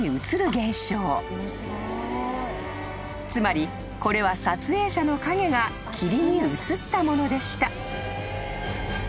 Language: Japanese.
［つまりこれは撮影者の影が霧に映ったものでした］